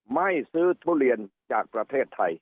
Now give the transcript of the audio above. ไม่ซื้อทุเรียนจากประเทศไทย